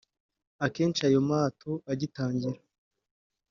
Akenshi ayo mato agitangira